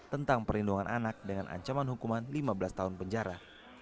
tentang perlindungan anak dengan ancaman hukuman lima belas tahun penjara